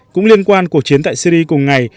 cũng liên quan cuộc chiến tại syria cùng ngày